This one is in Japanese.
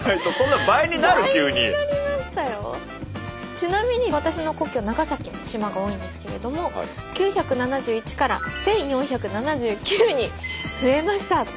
ちなみに私の故郷長崎も島が多いんですけれども９７１から１，４７９に増えましたということで。